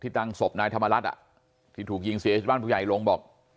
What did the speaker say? ตั้งศพนายธรรมรัฐที่ถูกยิงเสียชีวิตบ้านผู้ใหญ่ลงบอก